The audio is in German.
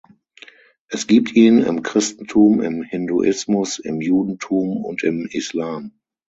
Es gibt ihn im Christentum, im Hinduismus, im Judentum und im Islam.